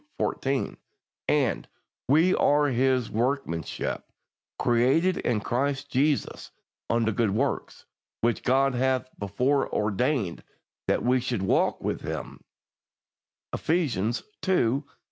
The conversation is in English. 14); and "we are His workmanship, created in Christ Jesus unto good works, which God hath before ordained that we should walk in them" (Eph. ii.